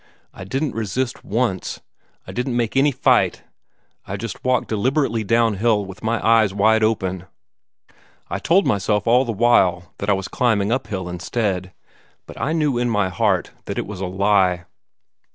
I didn't resist once; I didn't make any fight. I just walked deliberately down hill, with my eyes wide open. I told myself all the while that I was climbing uphill instead, but I knew in my heart that it was a lie.